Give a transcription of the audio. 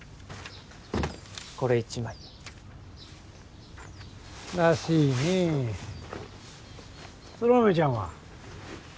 これ一枚らしいねえ空豆ちゃんは？